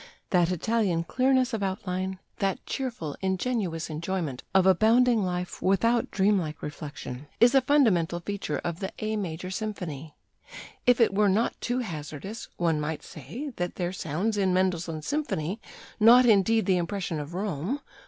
That Italian clearness of outline, that cheerful, ingenuous enjoyment of abounding life without dream like reflection, is a fundamental feature of the A major symphony. If it were not too hazardous, one might say ... [that] there sounds in Mendelssohn's symphony, not indeed the impression of Rome